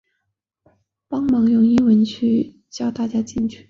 帮忙用英文叫大家进去